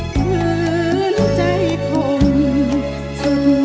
เกลื้นใจของสุรทรรม